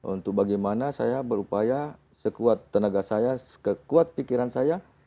untuk bagaimana saya berupaya sekuat tenaga saya sekuat pikiran saya